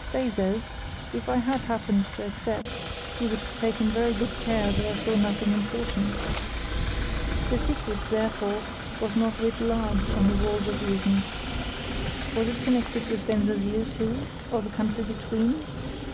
Stay, though; if I had happened to accept he would have taken very good care that I saw nothing important. The secret, therefore, was not writ large on the walls of Esens. Was it connected with Bensersiel too, or the country between?